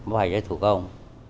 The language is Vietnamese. phải giấy thủ công